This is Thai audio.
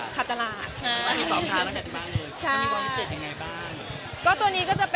ขาดตลาดมีสองทางพักกันมากเลยเนี่ยมีวัวพิสิทธิ์ยังไงบ้าง